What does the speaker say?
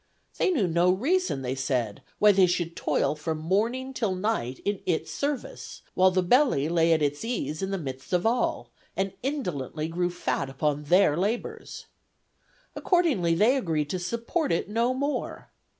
They knew no reason, they said, why they should toil from morning till night in its service, while the belly lay at its ease in the midst of all, and indolently grew fat upon their labors. Accordingly they agreed to support it no more.